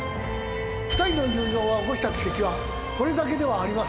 ２人の友情が起こした奇跡はこれだけではありませんでした。